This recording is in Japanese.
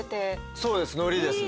そうですのりですね。